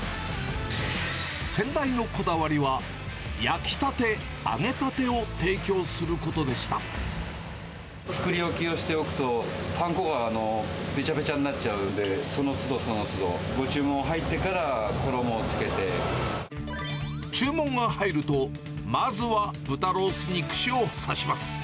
先代のこだわりは、焼きたて、作り置きをしておくと、パン粉がべちゃべちゃになっちゃうので、そのつどそのつど、注文が入ると、まずは豚ロースに串を刺します。